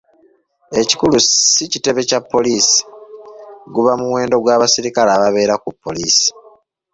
Ekikulu si kitebe kya poliisi, guba muwendo gwa basirikale ababeera ku poliisi.